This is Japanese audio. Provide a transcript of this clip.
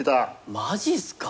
マジっすか？